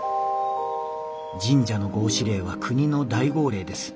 「神社の合祀令は国の大号令です。